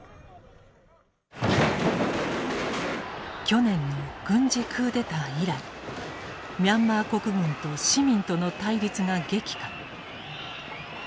去年の軍事クーデター以来ミャンマー国軍と市民との対立が激化。